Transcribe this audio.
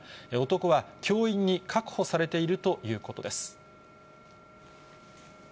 男は教員に確保されているということです。